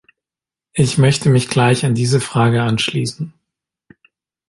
Ich möchte mich gleich an diese Frage anschließen.